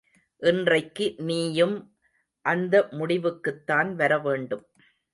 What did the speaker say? இன்றைக்கு நீயும் அந்த முடிவுக்குத்தான் வரவேண்டும்.